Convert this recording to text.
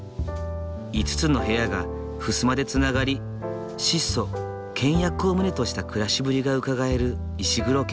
５つの部屋がふすまでつながり質素倹約を旨とした暮らしぶりがうかがえる石黒家。